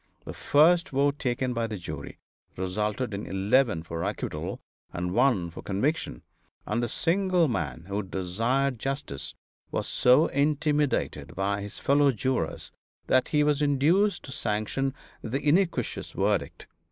The first vote taken by the jury resulted in eleven for acquittal and one for conviction, and the single man who desired justice was so intimidated by his fellow jurors that he was induced to sanction the iniquitous verdict.